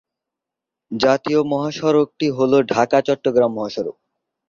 জাতীয় মহাসড়কটি হলো ঢাকা-চট্টগ্রাম মহাসড়ক।